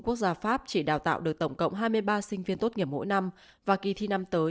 quốc gia pháp chỉ đào tạo được tổng cộng hai mươi ba sinh viên tốt nghiệp mỗi năm và kỳ thi năm tới